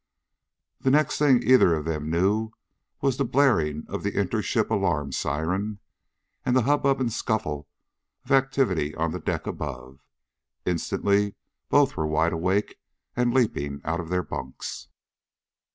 The next thing either of them knew was the blaring of the inter ship alarm siren, and the hubbub and scuffle of activity on the deck above. Instantly both were wide awake and leaping out of their bunks.